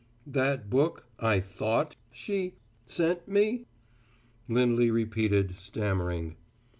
"That book I thought she sent me?" Lindley repeated, stammering.